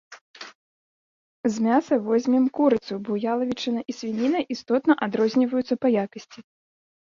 З мяса возьмем курыцу, бо ялавічына і свініна істотна адрозніваюцца па якасці.